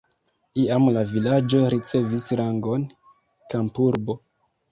Iam la vilaĝo ricevis rangon kampurbo.